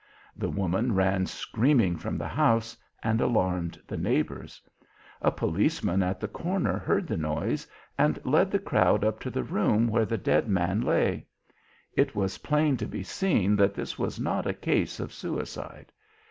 The woman ran screaming from the house and alarmed the neighbours. A policeman at the corner heard the noise, and led the crowd up to the room where the dead man lay. It was plain to be seen that this was not a case of suicide.